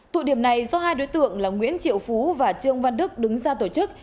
tụ điểm này do hai đối tượng là nguyễn triệu phú và trương văn đức đứng ra tổ chức